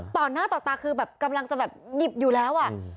ต่อต์หน้าต่อตราคือกำลังจะหยิบอยู่แล้ว